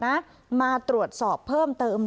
อันดับที่สุดท้าย